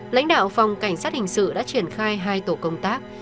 lãnh đạo phòng cảnh sát hình sự đã triển khai hai tổ công tác